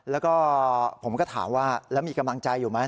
แล้วก็ผมก็ถามว่าแล้วมีกำลังใจอยู่ไหม